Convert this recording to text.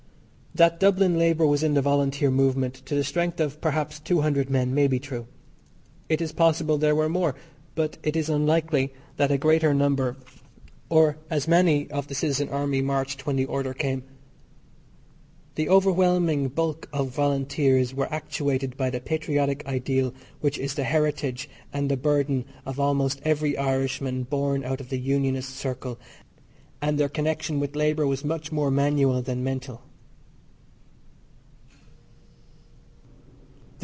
That Dublin labour was in the Volunteer movement to the strength of, perhaps, two hundred men, may be true it is possible there were more, but it is unlikely that a greater number, or, as many, of the Citizen Army marched when the order came. The overwhelming bulk of Volunteers were actuated by the patriotic ideal which is the heritage and the burden of almost every Irishman born out of the Unionist circle, and their connection with labour was much more manual than mental.